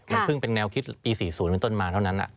มันเพิ่งเป็นแนวคิดปี๔๐เป็นต้นมาเท่านั้น